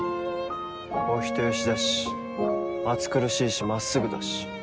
お人よしだし暑苦しいし真っすぐだし。